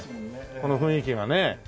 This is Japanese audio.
この雰囲気がね。